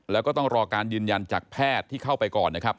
แล้วก็ต้องรอการยืนยันจากแพทย์ที่เข้าไปก่อนนะครับ